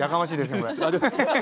これ。